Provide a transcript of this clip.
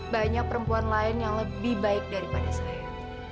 banyak perempuan lain yang lebih baik daripada saya